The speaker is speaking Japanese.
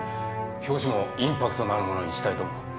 表紙もインパクトのあるものにしたいと思う。